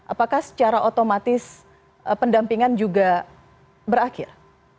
apakah secara otomatis pendampingan juga berakhir